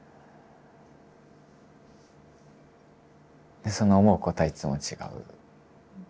でその思うことはいつも違う。